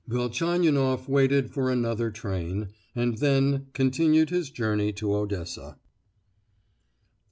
Velchaninoff waited for another train, and then continued his journey to Odessa.